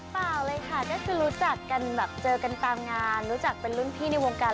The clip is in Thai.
เปล่าเลยค่ะก็คือรู้จักกันแบบเจอกันตามงานรู้จักเป็นรุ่นพี่ในวงการ